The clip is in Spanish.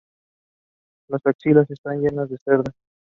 Las axilas están llenas de cerdas.